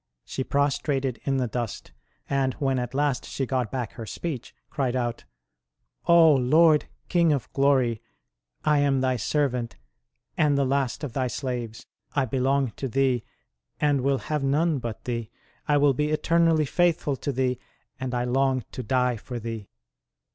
She prostrated in the dust; and when at last she got back her speech, cried out :" O Lord, King of glory, I am Thy servant and the last of Thy slaves. I belong to Thee, and will have none but Thee ; I will be eternally faithful to Thee, and I long to die for Thee